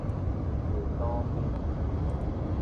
文魯彬